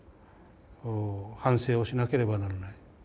反省をしなければならない。